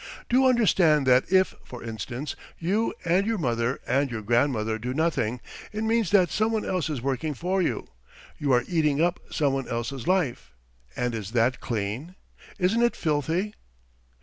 "Do understand that if, for instance, you and your mother and your grandmother do nothing, it means that someone else is working for you, you are eating up someone else's life, and is that clean, isn't it filthy?"